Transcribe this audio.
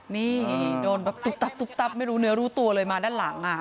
นี่โดนแบบตุ๊บตับตุ๊บตับไม่รู้เนื้อรู้ตัวเลยมาด้านหลัง